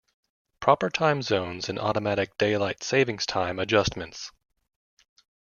Proper time zones and automatic Daylight Saving Time adjustments.